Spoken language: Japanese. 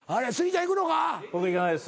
僕いかないです。